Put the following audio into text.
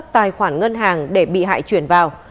tài khoản ngân hàng để bị hại chuyển vào